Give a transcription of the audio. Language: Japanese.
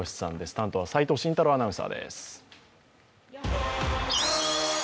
担当は、齋藤慎太郎アナウンサーです。